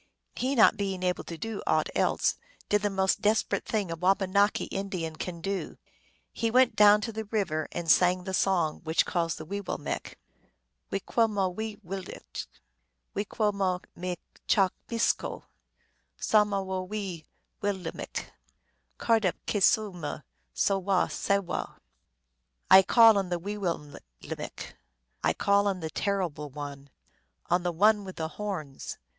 He, not being able to do aught else, did the most desperate thing a Wabanaki Indian can do. He went down to the river, and sang the song which calls the Weewillmekq\ " We que moh wee will 1 mick, We que moh m cha micso, Som awo wee will 1 mick ! Cardup ke su m so wo Sawo !" I call on the Wee will 1 mick ! 1 call on the Terrible One ! On the One with the Horns